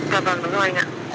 dạ vâng đúng rồi anh ạ